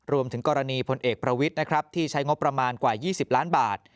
รวมถึงกรณีพลเอกประวิทย์นะครับที่ใช้งบประมาณกว่า๒๐ล้านบาท